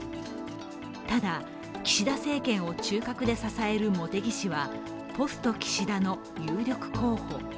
ただ、岸田政権を中核で支える茂木氏はポスト岸田の有力候補。